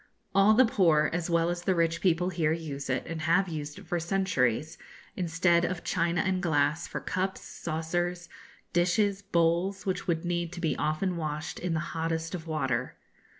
All the poor as well as the rich people here use it, and have used it for centuries, instead of china and glass, for cups, saucers, dishes, bowls, which would need to be often washed in the hottest of water.